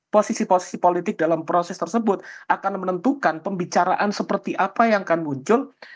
posisi posisi politik dalam proses tersebut akan menentukan pembicaraan seperti apa yang akan muncul